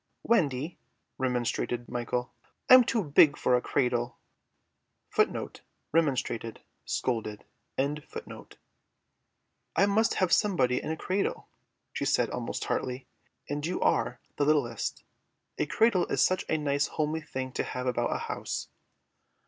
"Wendy," remonstrated Michael, "I'm too big for a cradle." "I must have somebody in a cradle," she said almost tartly, "and you are the littlest. A cradle is such a nice homely thing to have about a house."